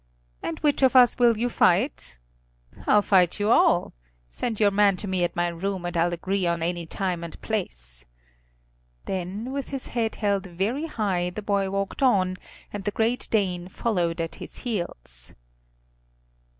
"And which of us will you fight?" "I'll fight you all. Send your man to me at my room, and I'll agree on any time and place." Then, with his head held very high the boy walked on, and the great Dane followed at his heels.